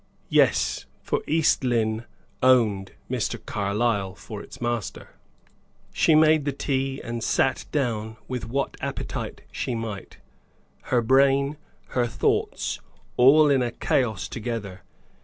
Yes; for East Lynne owned Mr. Carlyle for its master. She made the tea, and sat down with what appetite she might, her brain, her thoughts, all in a chaos together.